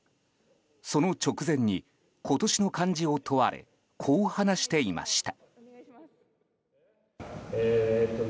その直前に今年の漢字を問われこう話していました。